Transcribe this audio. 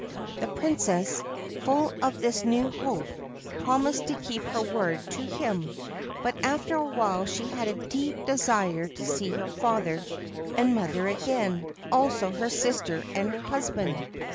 The Princess, full of this new hope, promised to keep her word to him. But after a while she had a deep desire to see her father and mother again ; also her sister and her husband.